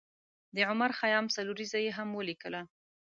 د عمر خیام څلوریځه یې هم ولیکله.